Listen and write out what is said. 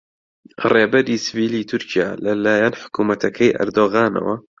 ڕێبەری سڤیلی تورکیا لەلایەن حکوومەتەکەی ئەردۆغانەوە